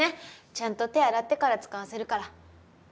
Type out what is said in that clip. ちゃんと手洗ってから使わせるから。